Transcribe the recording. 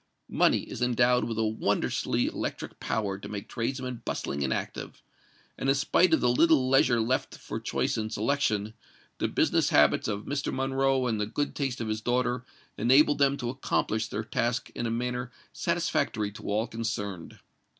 Money is endowed with a wondrously electric power to make tradesmen bustling and active; and in spite of the little leisure left for choice and selection, the business habits of Mr. Monroe and the good taste of his daughter enabled them to accomplish their task in a manner satisfactory to all concerned.